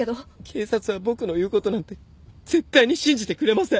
警察は僕の言うことなんて絶対に信じてくれません。